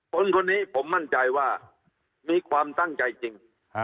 คนนี้ผมมั่นใจว่ามีความตั้งใจจริง